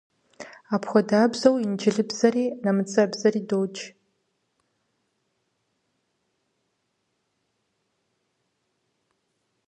Апхуэдабзэу инджылызыбзэри нэмыцэбзэри додж.